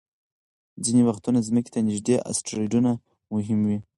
ځینې وختونه ځمکې ته نږدې اسټروېډونه مهم وي.